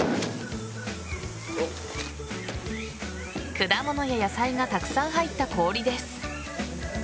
果物や野菜がたくさん入った氷です。